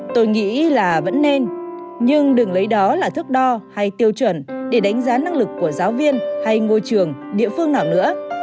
tôi nghĩ là vẫn nên nhưng đừng lấy đó là thức đo hay tiêu chuẩn để đánh giá năng lực của giáo viên hay ngôi trường địa phương nào nữa